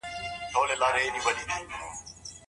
ژوند په هر حالت کي تېریږي.